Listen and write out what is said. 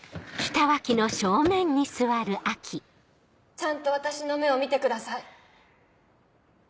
ちゃんと私の目を見てください。